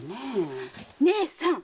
義姉さん！